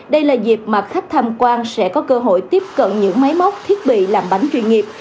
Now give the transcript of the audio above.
đây là dịp mà khách tham quan sẽ có cơ hội tiếp cận những máy móc thiết bị làm bánh chuyên nghiệp